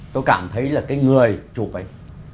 tôi cảm thấy là cái người chụp ấy